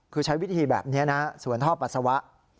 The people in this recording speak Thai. คือใช้วิธีแบบนี้นะสวนท่อปัสสาวะ